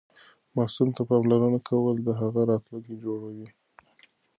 ماسوم ته پاملرنه کول د هغه راتلونکی جوړوي.